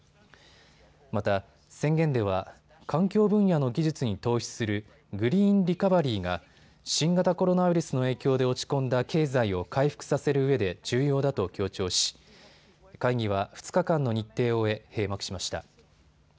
また、宣言では環境分野の技術に投資するグリーンリカバリーが新型コロナウイルスの影響で落ち込んだ経済を回復させるうえで重要だと強調し、会議は２日間の日程を終え閉幕しました。